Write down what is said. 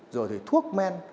rồi thì thuốc men